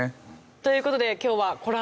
という事で今日はコラボ